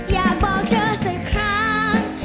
อยากบอกเธอสักครั้ง